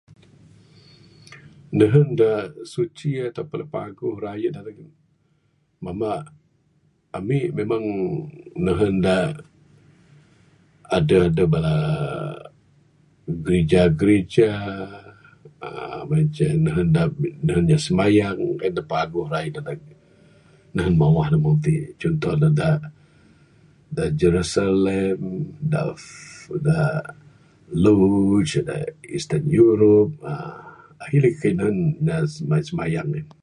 Nehen da suci ato pun da paling paguh mamba ami memang nehen da adeh adeh bala grija grija uhh nehen inya smayang en da paguh raye nan mawah da meng ti cuntoh ne da Jerusalem da da luge eastern Europe uhh ahi lagi nehen smayang.